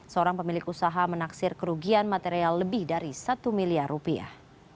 seorang pemilik usaha menaksir kerugian material lebih dari satu miliar rupiah